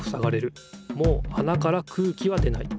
もうあなから空気は出ない。